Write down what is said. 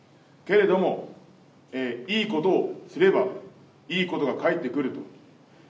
けれども、いいことをすれば、いいことが返ってくる。